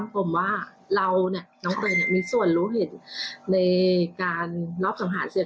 ตอนนี้ถึงขึ้นไปแล้ว๕๐